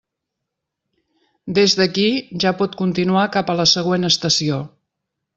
Des d'aquí ja pot continuar cap a la següent estació.